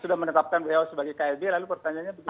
sudah menetapkan who sebagai klb lalu pertanyaannya